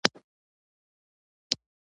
ګاونډیان باید څنګه دوستان شي؟